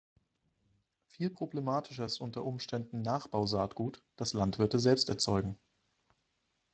Viel problematischer ist unter Umständen Nachbausaatgut, das Landwirte selbst erzeugen.